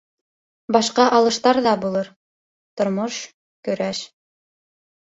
Башҡа алыштар ҙа булыр, тормош - көрәш.